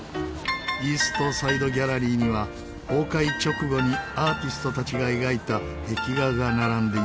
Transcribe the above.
イーストサイドギャラリーには崩壊直後にアーティストたちが描いた壁画が並んでいます。